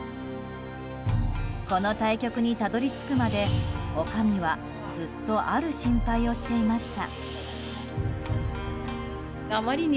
この対局にたどり着くまでおかみはずっとある心配をしていました。